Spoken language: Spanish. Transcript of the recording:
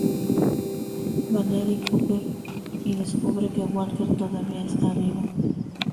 Valerie Cooper y descubre que Walker todavía está vivo.